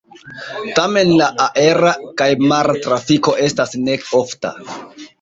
Tamen la aera kaj mara trafiko estas ne ofta.